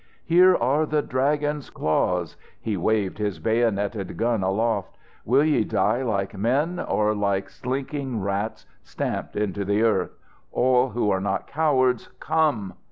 Here are the Dragon's claws!" He waved his bayoneted gun aloft. "Will ye die like men, or like slinking rats stamped into the earth? All who are not cowards come!"